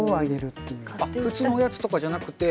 普通のおやつとかじゃなくて。